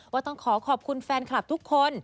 ต้องขอขอบคุณแฟนคลับทุกคน